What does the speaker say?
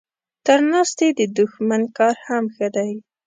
تر ناستي د دښمن کار هم ښه دی.